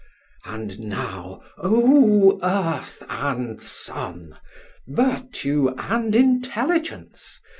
And now, O earth and sun! virtue and intelligence!